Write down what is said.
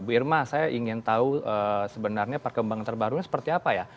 bu irma saya ingin tahu sebenarnya perkembangan terbarunya seperti apa ya